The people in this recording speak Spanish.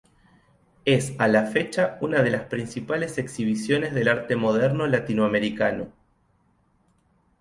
Es a la fecha una de las principales exhibiciones del arte moderno latinoamericano.